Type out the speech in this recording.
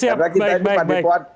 hahaha oke siap